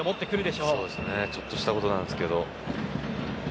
ちょっとしたことなんですけど。